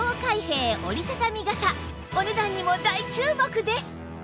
お値段にも大注目です！